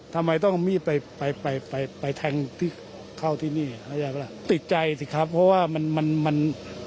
ทำไมต้องมีไปไปไปไปไปแทงที่เข้าที่นี่ติดใจสิครับเพราะว่ามันมันมัน